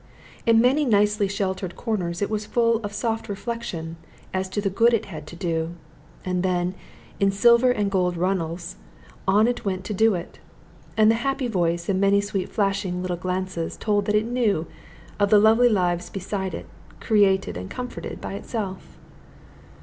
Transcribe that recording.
In many nicely sheltered corners it was full of soft reflection as to the good it had to do; and then, in silver and golden runnels, on it went to do it. And the happy voice and many sweetly flashing little glances told that it knew of the lovely lives beside it, created and comforted by itself.